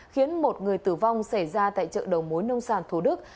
khiến một người tử vong xảy ra tại chợ đầu mối nông sản thủ đức